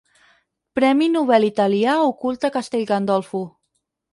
Premi Nobel italià ocult a Castellgandolfo.